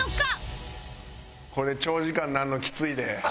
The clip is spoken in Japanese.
これ長時間なるのきついで。